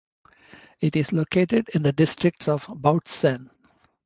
It is located in the district of Bautzen.